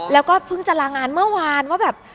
แล้วก็เพิ่งจะลางานเมื่อวานว่าแบบ